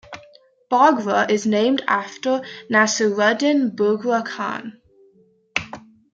Bogra is named after Nasiruddin Bughra Khan.